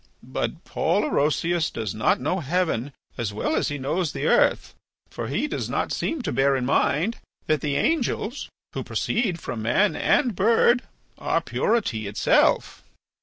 But Paul Orosius does not know heaven as well as he knows the earth, for he does not seem to bear in mind that the angels, who proceed from man and bird, are purity itself."